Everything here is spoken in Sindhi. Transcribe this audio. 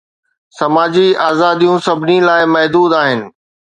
سماجي آزاديون سڀني لاءِ محدود آهن.